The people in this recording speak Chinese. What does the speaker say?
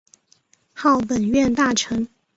号本院大臣。